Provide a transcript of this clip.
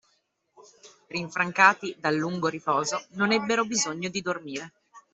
Rinfrancati dal lungo riposo, non ebbero bisogno di dormire